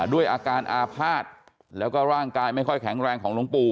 ด้วยอาการอาภาษณ์แล้วก็ร่างกายไม่ค่อยแข็งแรงของหลวงปู่